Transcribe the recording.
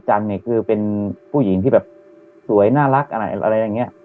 เนี่ยคือเป็นผู้หญิงที่แบบสวยน่ารักอะไรอย่างนี้